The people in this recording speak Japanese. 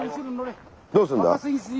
どうすんだ？